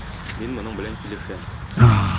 Мин моның белән килешәм.